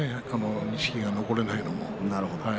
錦木が残れないのも。